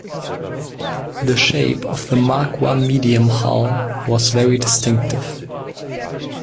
The shape of the Mark One Medium hull was very distinctive.